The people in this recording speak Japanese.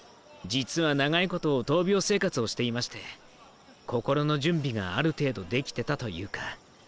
実は長いこと闘病生活をしていまして心の準備がある程度できてたというか。